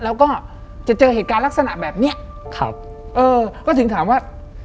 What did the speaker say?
แล้วก็จะเจอเหตุการณ์ลักษณะแบบเนี้ยครับเออก็ถึงถามว่า